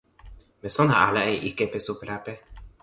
mi sona ala e ike pi supa lape.